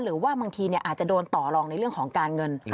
หรือว่าบางทีอาจจะโดนต่อลองในเรื่องของการเงิน